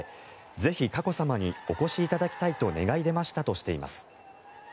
ぜひ佳子さまにお越しいただきたいと願い出ましたとしています。